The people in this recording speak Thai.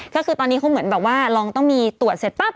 ก็คือตอนนี้เขาเหมือนแบบว่าลองต้องมีตรวจเสร็จปั๊บ